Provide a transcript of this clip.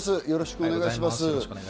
よろしくお願いします。